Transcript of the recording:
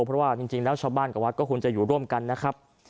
เพราะว่าจริงแล้วชาวบ้านกับวัดก็ควรจะอยู่ร่วมกันนะครับ